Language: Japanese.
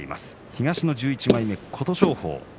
東の１１枚目、琴勝峰です。